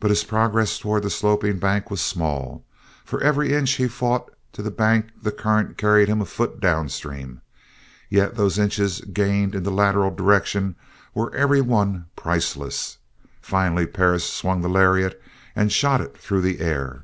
But his progress towards the sloping bank was small. For every inch he fought to the bank the current carried him a foot down stream, yet those inches gained in the lateral direction were every one priceless. Finally Perris swung the lariat and shot it through the air.